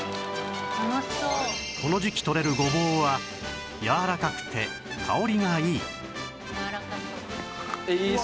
この時期とれるごぼうはやわらかくて香りがいいええ？